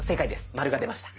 マルが出ました。